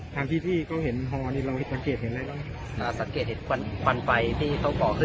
ทางที่พี่ก็เห็นฮนี้เราเห็นสังเกตเห็นอะไรครับ